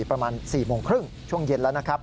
ประมาณ๔โมงครึ่งช่วงเย็นแล้วนะครับ